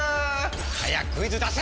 早くクイズ出せ‼